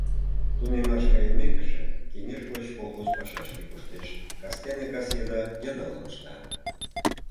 Тунемаш кайымекыже, кеҥеж гоч колхоз пашашке коштеш, кастене кас еда йыдалым ышта.